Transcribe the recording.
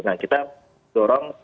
nah kita dorong